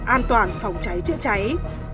an toàn phòng cháy chữa cháy